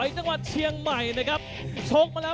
สวัสดีครับสวัสดีครับ